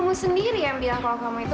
masa yang luar biasa sih